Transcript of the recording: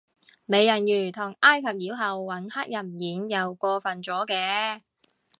美人魚同埃及妖后搵黑人演又過份咗嘅